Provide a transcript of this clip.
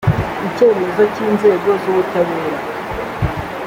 icyemezo cy inzego z ubutabera